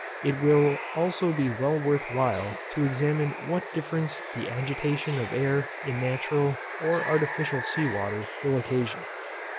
It will also be well worth while to examine what difference the agitation of air in natural or artificial sea water will occasion.